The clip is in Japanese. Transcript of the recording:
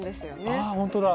ああ本当だ！